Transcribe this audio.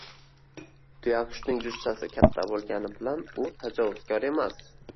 Tuyaqushning jussasi katta bo‘lgani bilan u tajovuzkor emas.